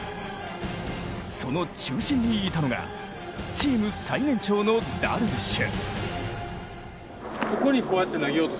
その中心にいたのが、チーム最年長のダルビッシュ。